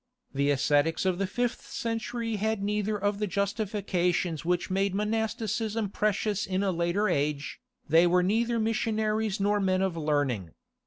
The ascetics of the fifth century had neither of the justifications which made monasticism precious in a later age, they were neither missionaries nor men of learning.